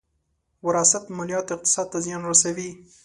وراثت ماليات اقتصاد ته زیان رسوي.